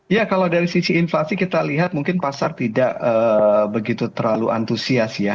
ya kalau dari sisi inflasi kita lihat mungkin pasar tidak begitu terlalu antusias ya